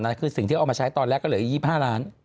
ยังไม่เริ่มเลย